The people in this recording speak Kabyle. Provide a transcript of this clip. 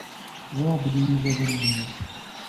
Ẓriɣ belli Yuba d anelmad.